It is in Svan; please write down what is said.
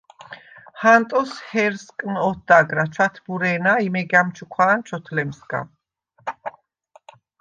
ჰანტოს ჰერსკნ ოთდაგრა, ჩვათბურე̄ნა ი მეგა̈მ ჩუქვა̄ნ ჩვოთლემსგა.